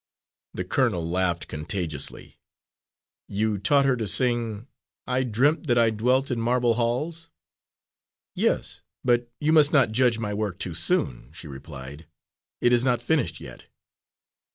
The colonel laughed contagiously. "You taught her to sing 'I dreamt that I dwelt in marble halls?'" "Yes, but you must not judge my work too soon," she replied. "It is not finished yet."